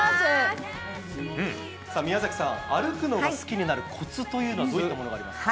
さあ、宮崎さん、歩くのが好きになるこつというのは、どういったものがありますか？